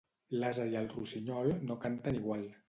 L'ase i el rossinyol no canten igual.